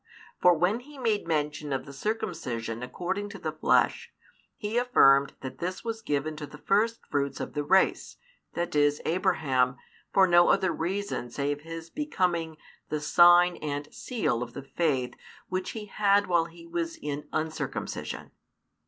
For when he made mention of the circumcision according to the flesh, he affirmed that this was given to the firstfruits of the race, that is Abraham, for no other reason save his becoming the sign and seal of the faith which he had while he was in uncircumcision.